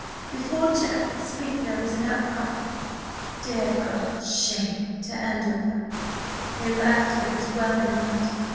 "Before Jack could speak there was an outcry. Dare cried 'Shame!' to Andover. They laughed at him, as well they might.